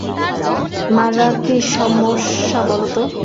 মারা, কী সমস্যা বল তো?